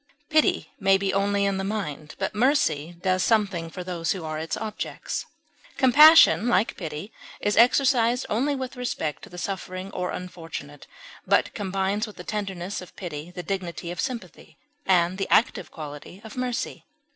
Pity may be only in the mind, but mercy does something for those who are its objects. Compassion, like pity, is exercised only with respect to the suffering or unfortunate, but combines with the tenderness of pity the dignity of sympathy and the active quality of mercy.